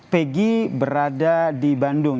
pegi berada di bandung